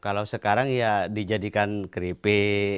kalau sekarang ya dijadikan keripik